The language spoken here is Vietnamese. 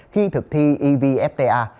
khi thực thi evfta